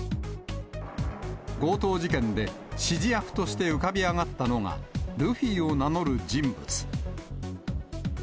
強盗事件で、指示役として浮かび上がったのが、ルフィを名乗る人物。